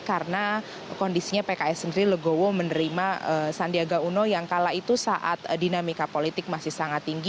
karena kondisinya pks sendiri legowo menerima sandiaga uno yang kala itu saat dinamika politik masih sangat tinggi